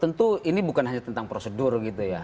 tentu ini bukan hanya tentang prosedur gitu ya